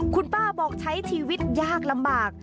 คุณป้าบอกใช้ชีวิตยากลำบาก